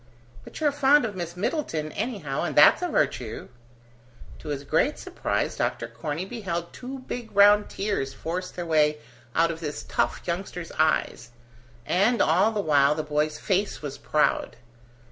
"But you're fond of Miss Middleton anyhow, and that's a virtue." To his great surprise, Dr. Corney beheld two big round tears force their way out of this tough youngster's eyes, and all the while the boy's face was proud.